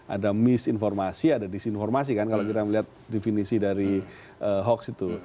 ada misinformasi ada disinformasi kan kalau kita melihat definisi dari hoax itu